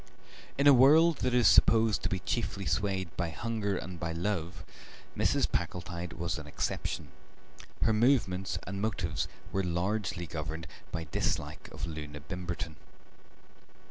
In a world that is supposed to be chiefly swayed by hunger and by love Mrs. Packletide was an exception; her movements and motives were largely governed by dislike of Loona Bimberton.